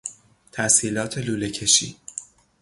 تسهیلات لوله کشی